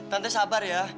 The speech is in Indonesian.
tante sabar ya